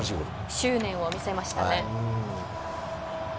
執念を見せましたね。